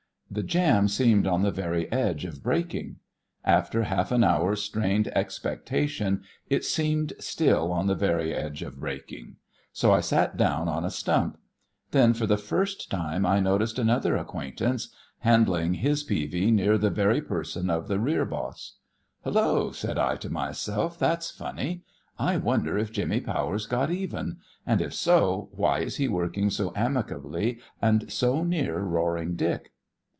The jam seemed on the very edge of breaking. After half an hour's strained expectation it seemed still on the very edge of breaking. So I sat down on a stump. Then for the first time I noticed another acquaintance, handling his peavie near the very person of the rear boss. "Hullo," said I to myself, "that's funny. I wonder if Jimmy Powers got even; and if so, why he is working so amicably and so near Roaring Dick."